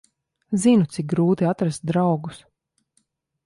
Zinu, cik grūti atrast draugus.